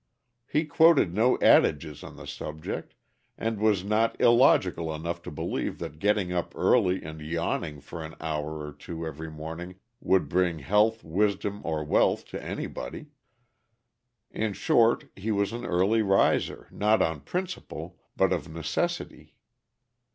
He quoted no adages on the subject, and was not illogical enough to believe that getting up early and yawning for an hour or two every morning would bring health, wisdom, or wealth to anybody. In short, he was an early riser not on principle but of necessity.